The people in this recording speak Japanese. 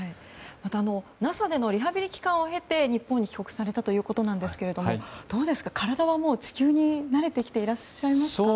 またＮＡＳＡでのリハビリ期間を経て日本へ帰国されたということですがどうですか、体は地球に慣れてきていらっしゃいますか？